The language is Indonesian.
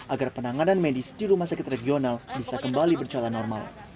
agar penanganan medis di rumah sakit regional bisa kembali berjalan normal